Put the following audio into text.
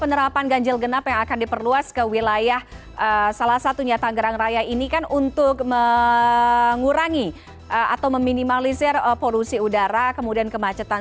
penerapan ganjil genap yang akan diperluas ke wilayah salah satunya tanggerang raya ini kan untuk mengurangi atau meminimalisir polusi udara kemudian kemacetan